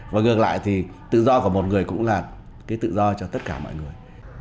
và ngược lại thì tự do của một người cũng là cái tự do cho tất cả mọi người